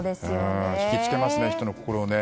引きつけますね、人の心をね。